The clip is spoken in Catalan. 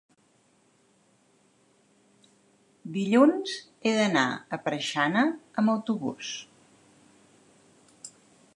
dilluns he d'anar a Preixana amb autobús.